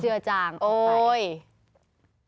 เจือจางออกไป